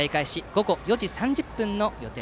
午後４時３０分の予定。